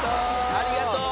ありがとう！